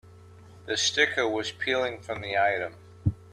The sticker was peeling from the item.